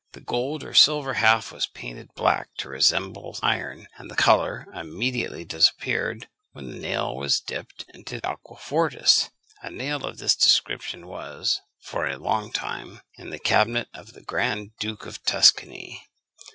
The golden or silver half was painted black to resemble iron, and the colour immediately disappeared when the nail was dipped into aquafortis. A nail of this description was, for a long time, in the cabinet of the Grand Duke of Tuscany.